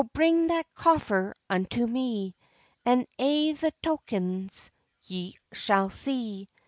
"O bring that coffer unto me, And a' the tokens ye sall see."